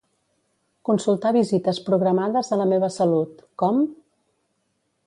Consultar visites programades a La meva salut, com?